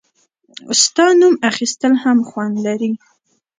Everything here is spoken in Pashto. • ستا نوم اخیستل هم خوند لري.